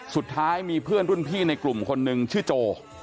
สุดท้ายมีเพื่อนรุ่นพี่ในกลุ่มคนนึงชื่อโจ